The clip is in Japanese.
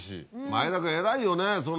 前田君偉いよね。